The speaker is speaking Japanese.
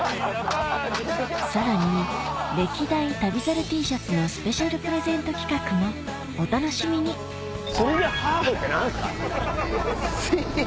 さらに歴代旅猿Ｔシャツのスペシャルプレゼント企画もお楽しみに釣りでハーフって何ですか？